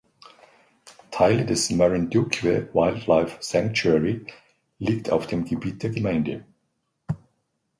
Teile des Marinduque Wildlife Sanctuary liegt auf dem Gebiet der Gemeinde.